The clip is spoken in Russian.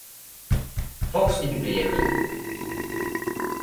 Фокусники приехали!